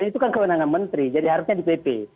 itu kan kewenangan menteri jadi harusnya di pp